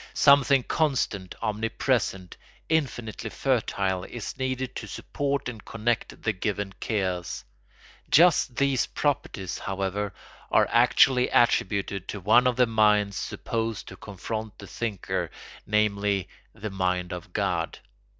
Something constant, omnipresent, infinitely fertile is needed to support and connect the given chaos. Just these properties, however, are actually attributed to one of the minds supposed to confront the thinker, namely, the mind of God.